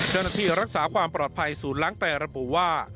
จนที่รักษาความปลอดภัยศูนย์ล้างไตรปุว่า